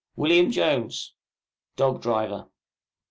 WM. JONES, Dog driver.